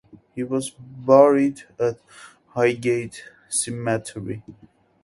He was buried at Highgate cemetery.